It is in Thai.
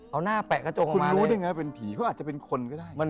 เอาหน้าแปะกระจกคุณรู้ได้ไงว่าเป็นผีเขาอาจจะเป็นคนก็ได้